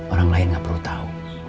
orang lain gak perlu tau